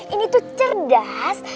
ini tuh cerdas